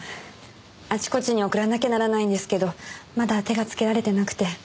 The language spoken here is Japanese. あちこちに送らなきゃならないんですけどまだ手がつけられてなくて。